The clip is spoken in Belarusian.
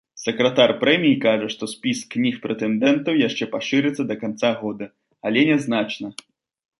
Сакратар прэміі кажа, што спіс кніг-прэтэндэнтаў яшчэ пашырыцца да канца года, але нязначна.